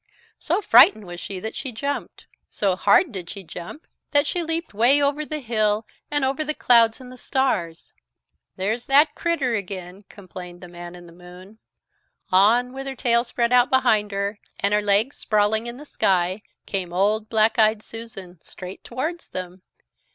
So frightened was she that she jumped. So hard did she jump that she leaped way over the hill and over the clouds and the stars. "There's that critter again," complained the Man in the Moon. On, with her tail spread out behind her, and her legs sprawling in the sky, came old Black eyed Susan, straight towards them.